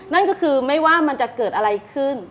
นั่นก็คือไม่ว่ามันจะเกิดอะไรขึ้น